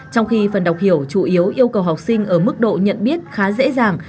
trong khi phần đọc hiểu chủ yếu yêu cầu học sinh ở mức độ nhận biết khá dễ dàng